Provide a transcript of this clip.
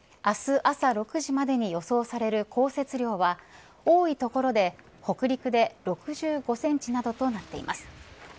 明日、朝６時までに予想される降雪量は多い所で北陸で６５センチなどとなっています。